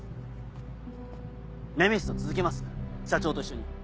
ネメシスを続けます社長と一緒に。